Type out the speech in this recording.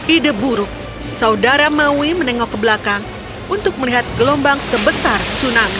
ide buruk saudara maui menengok ke belakang untuk melihat gelombang sebesar tsunami